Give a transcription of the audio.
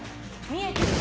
見えてる。